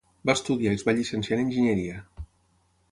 Va estudiar i es va llicenciar en enginyeria.